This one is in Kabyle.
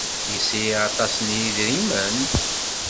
Yesri aṭas n yidrimen?